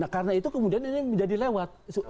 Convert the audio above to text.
karena itu kemudian ini menjadi lewat